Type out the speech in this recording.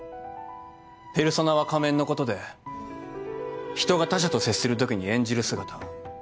ペルソナは仮面のことで人が他者と接するときに演じる姿。